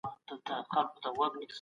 ستاسو ارزښتونه ستاسو کړنې ټاکي.